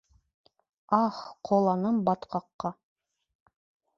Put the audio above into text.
Ах, ҡоланым батҡаҡҡа